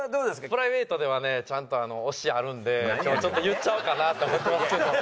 プライベートではねちゃんと推しあるんで今日ちょっと言っちゃおうかなと思ってますけど。